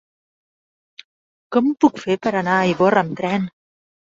Com ho puc fer per anar a Ivorra amb tren?